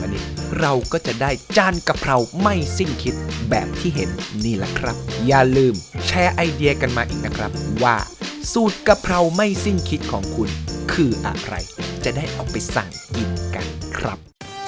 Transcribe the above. อันนี้เราก็จะได้จานกะเพราไม่สิ้นคิดแบบที่เห็นนี่แหละครับอย่าลืมแชร์ไอเดียกันมาอีกนะครับว่าสูตรกะเพราไม่สิ้นคิดของคุณคืออะไรจะได้เอาไปสั่งกินกันครับ